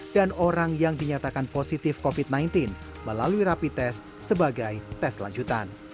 dan orang yang dinyatakan positif covid sembilan belas melalui rapi tes sebagai tes lanjutan